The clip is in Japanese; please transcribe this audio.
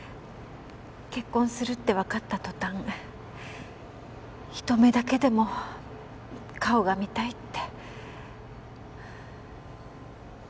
結婚するってわかった途端一目だけでも顔が見たいって。